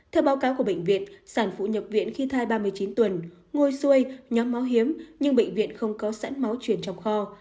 theo báo cáo của bệnh viện sản phụ nhập viện khi thai ba mươi chín tuần ngồi xuôi nhóm máu hiếm nhưng bệnh viện không có sẵn máu truyền trong kho